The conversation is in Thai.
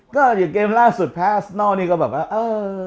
ก็อย่าเกมล่าสุดแพสนอกนี้ก็บอกว่าเอ่อ